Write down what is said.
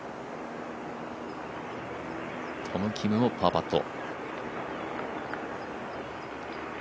トム・キムもパーパット。